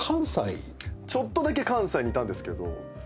ちょっとだけ関西にいたんですけどただ。